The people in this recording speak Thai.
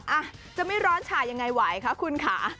อ่ะจะไม่ร้อนฉ่ายังไงไหวคะคุณค่ะ